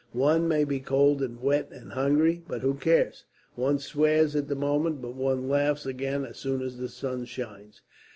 One may be cold and wet and hungry, but who cares? One swears at the moment, but one laughs again, as soon as the sun shines."